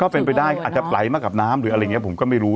เป็นไปได้อาจจะไหลมากับน้ำหรืออะไรอย่างนี้ผมก็ไม่รู้